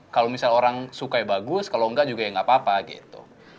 kalo misal orang suka ya bagus kalo enggak juga ya gak apa apa gitu